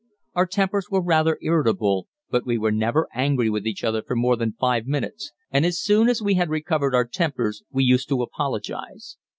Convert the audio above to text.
Our tempers were rather irritable, but we were never angry with each other for more than five minutes, and as soon as we had recovered our tempers we used to apologize.